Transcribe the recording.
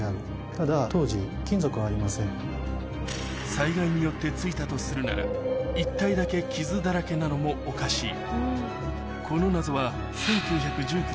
災害によってついたとするなら１体だけ傷だらけなのもおかしい